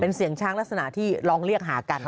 เป็นเสียงช้างลักษณะที่ร้องเรียกหากันอ๋อเหรอ